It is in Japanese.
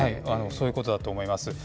そういうことだと思います。